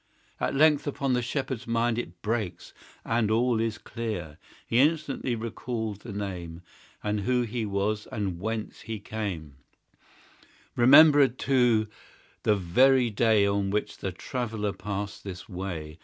At length upon the Shepherd's mind It breaks, and all is clear: He instantly recalled the name, And who he was, and whence he came; Remembered, too, the very day On which the traveller passed this way.